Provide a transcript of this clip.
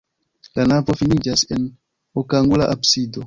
La navo finiĝas en okangula absido.